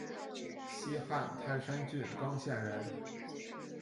西汉泰山郡刚县人。